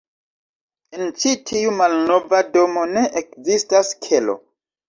En ĉi tiu malnova domo, ne ekzistas kelo.